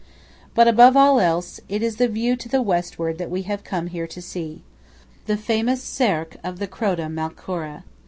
But above all else, it is the view to the Westward that we have come here to see–the famous "cirque" of the Croda Malcora.